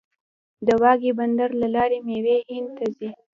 د واګې بندر له لارې میوې هند ته ځي.